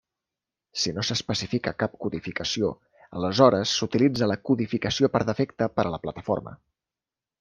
Si no s'especifica cap codificació, aleshores s'utilitza la codificació per defecte per a la plataforma.